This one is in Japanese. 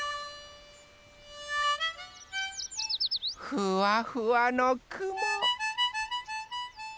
ふわふわのくも。